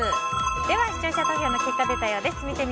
では視聴者投票の結果が出たようです。